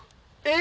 え！